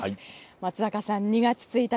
松坂さん、２月１日。